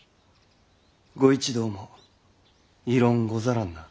御一同も異論ござらんな？